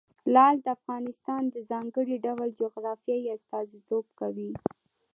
لعل د افغانستان د ځانګړي ډول جغرافیه استازیتوب کوي.